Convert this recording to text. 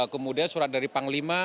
kemudian surat dari panglima